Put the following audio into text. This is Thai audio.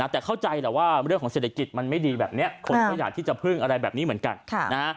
แต่เข้าใจแหละว่าเรื่องของเศรษฐกิจมันไม่ดีแบบนี้คนก็อยากที่จะพึ่งอะไรแบบนี้เหมือนกัน